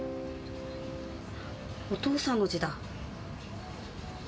お父さんの字だ。